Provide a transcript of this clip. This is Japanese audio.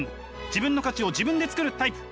自分の価値を自分で作るタイプ。